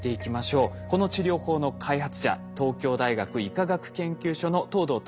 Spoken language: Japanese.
この治療法の開発者東京大学医科学研究所の藤堂具